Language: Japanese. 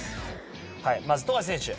まず富樫選手。